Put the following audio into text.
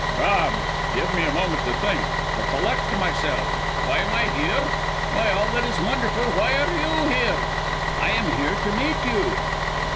"Rob, give me a moment, to think, to collect myself. Why am I here? By all that is wonderful, why are you here?" "I am here to meet you."